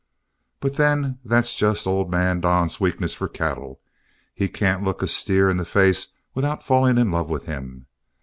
But then that's just old man Don's weakness for cattle; he can't look a steer in the face without falling in love with him.